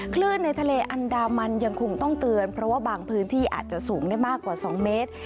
คลื่นในทะเลอันดามันยังคงต้องเตือนเพราะว่าบางพื้นที่อาจจะสูงได้มากกว่า๒เมตร